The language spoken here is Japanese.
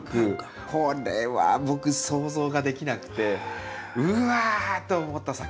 これは僕想像ができなくてうわ！と思った作品ですね。